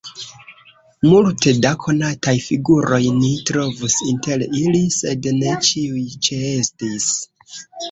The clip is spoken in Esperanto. Multe da konataj figuroj ni trovus inter ili, sed ne ĉiuj ĉeestis.